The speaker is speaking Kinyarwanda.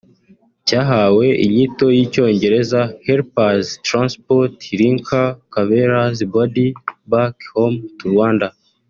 cyahawe inyito y’icyongereza “Help us transport Lynker Kabera’s body back home to Rwanda”